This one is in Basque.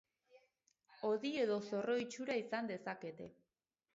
Hodi edo zorro itxura izan dezakete.